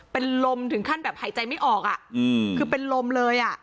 เป็นลมถึงขั้นแบบหายใจไม่ออกอ่ะคือเป็นลมเลยอ่ะ